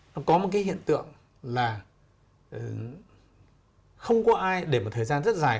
nó có một cái hiện tượng là không có ai để một thời gian rất dài